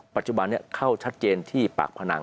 ปัจจุบันนี้เข้าชัดเจนที่ปากพนัง